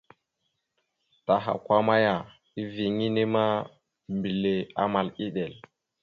Tahakwa maya, eviyeŋa inne ma, mbile amal iɗel.